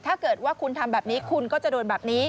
ถ้าเกิดว่าคุณทำแบบนี้คุณก็จะโดนแบบนี้